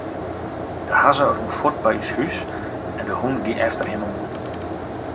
De hazze rûn fuort by ús hús en de hûn gie efter him oan.